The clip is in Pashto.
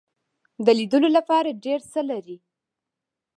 د لیدلو لپاره ډیر څه لري.